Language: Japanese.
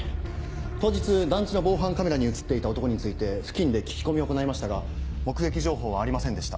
当日団地の防犯カメラに写っていた男について付近で聞き込みを行いましたが目撃情報はありませんでした。